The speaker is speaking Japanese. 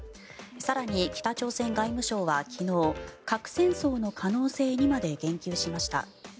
更に、北朝鮮外務省は昨日核戦争の可能性にまで言及しました。